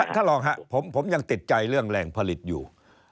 ท่านรองครับผมยังติดใจเรื่องแหล่งผลิตอยู่